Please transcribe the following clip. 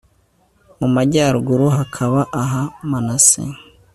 mu majyaruguru hakaba aha manase